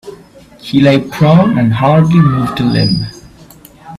He lay prone and hardly moved a limb.